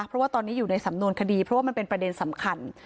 เพราะว่าตอนนี้อยู่ในสำนวนคดีเพราะว่ามันเป็นประเด็นสำคัญ